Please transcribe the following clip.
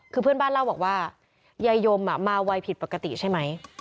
คือเพื่อนบ้านเล่าบอกว่ายายยมมาไวผิดปกติใช่ไหม